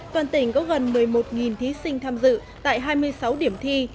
toàn tỉnh có gần một mươi một thí sinh tham dự tại hai mươi sáu điểm thi